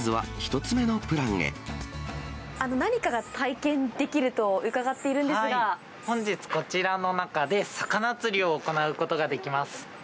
何かが体験できると伺ってい本日、こちらの中で魚釣りを行うことができます。